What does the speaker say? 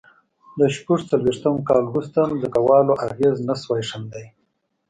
له شپږ څلوېښت کال وروسته ځمکوالو اغېز نه شوای ښندي.